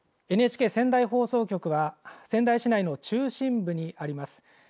ＮＨＫ仙台放送局は仙台市内の中心部にあります。